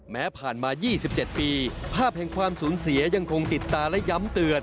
ผ่านมา๒๗ปีภาพแห่งความสูญเสียยังคงติดตาและย้ำเตือน